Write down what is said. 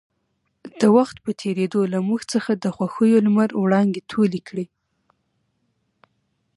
د وخـت پـه تېـرېدو لـه مـوږ څـخـه د خـوښـيو لمـر وړانـګې تـولې کـړې.